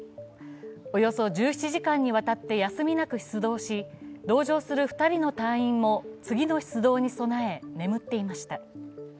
およそ１７時間にわたって休みなく出動し、同乗する２人の隊員も次の出動に備え眠っていました。